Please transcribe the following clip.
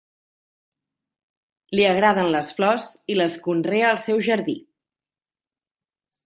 Li agraden les flors i les conrea al seu jardí.